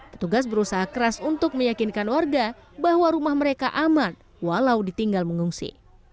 petugas berusaha keras untuk meyakinkan warga bahwa rumah mereka aman walau ditinggal mengungsi